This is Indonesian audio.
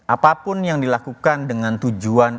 apapun yang dilakukan dengan tujuan